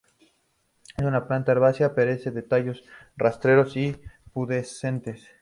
Es una planta herbácea perenne, de tallos rastreros y pubescentes.